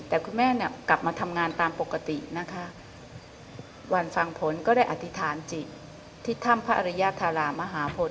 แต่คุณแม่กลับมาทำงานตามปกตินะคะวันฟังผลก็ได้อธิษฐานจิตที่ถ้ำพระอริญาตธาราชมหมเกรินะพระพธิษัท